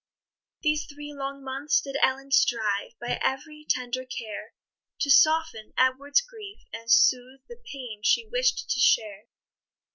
These three long months did Ellen strive, By every tender care, To soften Edward's grief, and soothe The pain she wish'd to share.